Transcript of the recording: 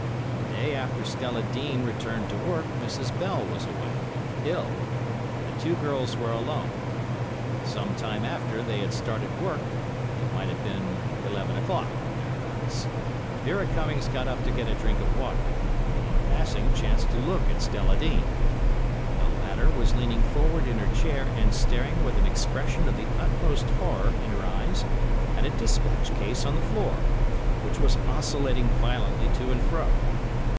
The day after Stella Dean returned to work, Mrs. Bell was away—ill—and the two girls were alone. Some time after they had started work, it might have been eleven o'clock or thereabouts, Vera Cummings got up to get a drink of water, and in passing chanced to look at Stella Dean. The latter was leaning forward in her chair and staring with an expression of the utmost horror in her eyes at a despatch case on the floor, which was oscillating violently to and fro.